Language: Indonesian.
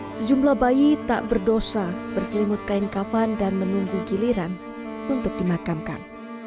sejumlah bayi tak berdosa berselimut kain kafan dan menunggu giliran untuk dimakamkan